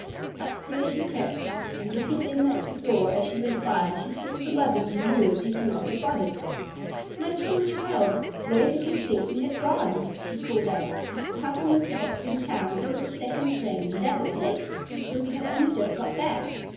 Upstairs she crept, and, looking in at the door as she went by, she saw her mother in her room taking off her bonnet. "My poor child, where did you think we had gone?" she called out. "Papa was kept in town till the second train, and that was late, so we have only just got back.